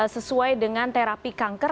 sesuai dengan terapi kanker